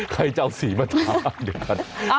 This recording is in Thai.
ใครจะเอาสีมาทา